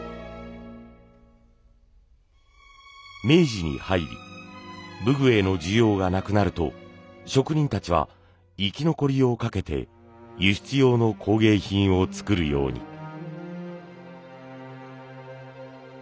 明治に入り武具への需要がなくなると職人たちは生き残りをかけて輸出用の工芸品を作るように。